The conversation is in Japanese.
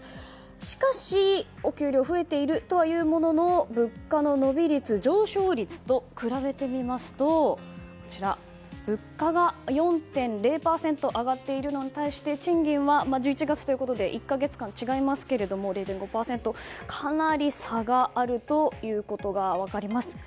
しかし、お給料が増えているとはいうものの物価の伸び率上昇率と比べてみますと物価が４．０％上がっているのに対して賃金は１１月ということで１か月間、違いますが０．５％かなり差があることが分かります。